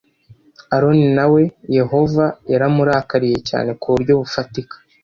Aroni na we yehova yaramurakariye cyane ku buryo bufatika